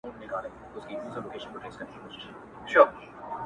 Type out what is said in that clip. زموږ وطن كي اور بل دی،